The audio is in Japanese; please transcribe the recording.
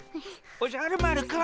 おじゃる丸くん。